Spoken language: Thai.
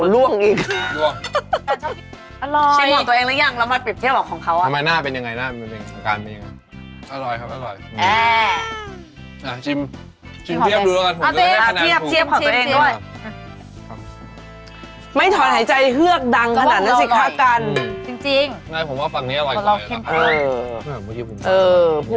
เรียกกินปับหมึกแต่ว่านางเลิกกินปับหมึก